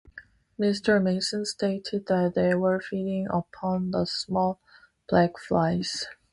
Mr. Mason stated that they were feeding upon the small black flies.